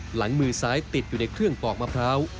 หลังมือซ้ายติดอยู่ในเครื่องปอกมะพร้าว